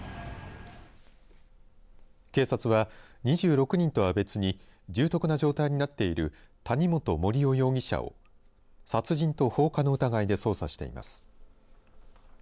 警察は２６人とは別に重篤な状態になっている谷本盛雄容疑者を殺人と放火の疑いで捜査しています。